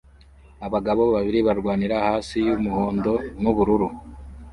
Abagabo babiri barwanira hasi yumuhondo nubururu